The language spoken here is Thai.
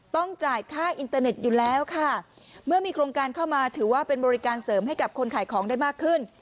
ต้องจ่ายค่าอินเตอร์เน็ตอยู่แล้วค่ะเมื่อมีโครงการเข้ามาถือว่าเป็นบริการเสริมให้กับคนขายของได้มากขึ้น